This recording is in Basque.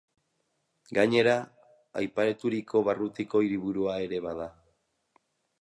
Gainera, aipaturiko barrutiko hiriburua ere bada.